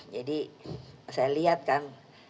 jadi saya lihat kan